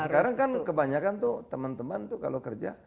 sekarang kan kebanyakan tuh teman teman tuh kalau kerja